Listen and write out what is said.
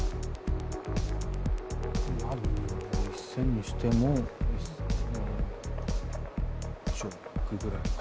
１，０００にしても１億ぐらいか。